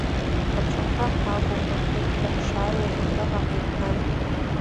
Аԥшаҳәа ҳавоуп, машәыршәа, ҳшааиуаз, абраҟа ҳаиқәшәан.